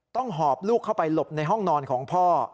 หอบลูกเข้าไปหลบในห้องนอนของพ่อ